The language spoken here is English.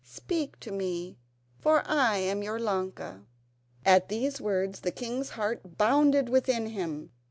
Speak to me, for I am your Ilonka." At these words the king's heart bounded within him.